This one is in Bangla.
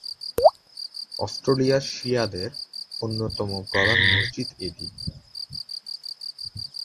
অস্ট্রেলিয়ার শিয়াদের অন্যতম প্রধান মসজিদ এটি।